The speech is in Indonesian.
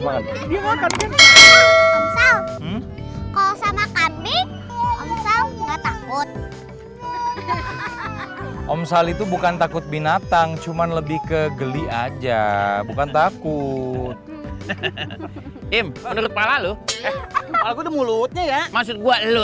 kalau sama kami takut om sal itu bukan takut binatang cuman lebih ke geli aja bukan takut